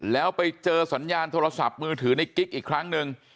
แล้วไปเจอสัญญาณโทรศัพท์มือถือในกิ๊กอีกครั้งหนึ่ง